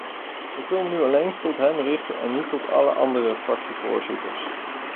Ik wil me nu alleen tot hem richten en niet tot alle andere fractievoorzitters.